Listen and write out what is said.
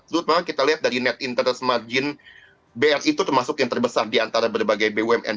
terutama kita lihat dari net intens margin bri itu termasuk yang terbesar diantara berbagai bumn